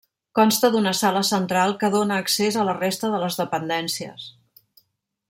Consta d'una sala central que dóna accés a la resta de les dependències.